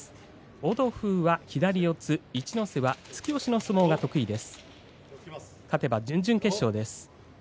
オドフーは左四つ一ノ瀬は突き押しの相撲が得意です。